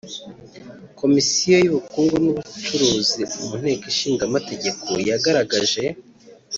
Komisiyo y’Ubukungu n’Ubucuruzi mu Nteko Ishinga Amategeko yagaragaje